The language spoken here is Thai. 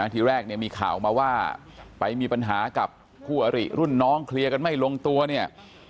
ทีแรกเนี่ยมีข่าวมาว่าไปมีปัญหากับคู่อริรุ่นน้องเคลียร์กันไม่ลงตัวเนี่ย